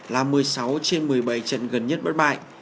là một mươi sáu trên một mươi bảy trần gần nhất bất bại